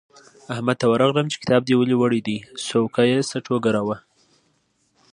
احمد ته ورغلم چې کتاب دې ولې وړل دی؛ سوکه یې څټ وګاراوو.